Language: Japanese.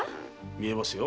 見えますよ。